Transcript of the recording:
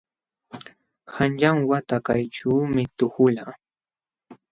Qanyan wata kayćhuumi tuhulqaa.